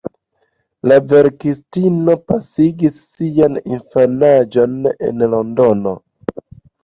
La verkistino pasigis sian infanaĝon en Londono.